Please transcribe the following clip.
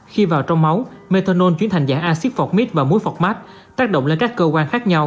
khi vào trong máu methanol chuyển thành dạng axit phọt mít và muối phọt mát tác động lên các cơ quan khác nhau